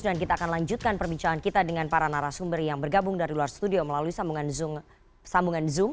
dan kita akan lanjutkan perbincangan kita dengan para narasumber yang bergabung dari luar studio melalui sambungan zoom